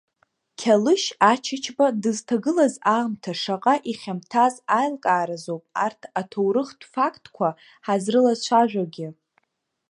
Қьалышь Ачачба дызҭагылаз аамҭа шаҟа ихьамҭаз аилкааразоуп арҭ аҭоурыхтә фактқәа ҳазрылацәажәогьы.